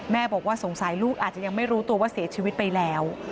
บอกว่าสงสัยลูกอาจจะยังไม่รู้ตัวว่าเสียชีวิตไปแล้ว